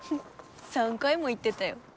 ３回も言ってたよ。